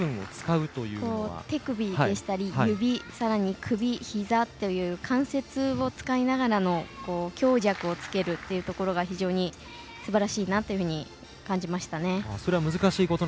手首でしたり、指、首ひざという関節を使いながらの強弱をつけるというところが非常にすばらしいなというふうに感じましたね。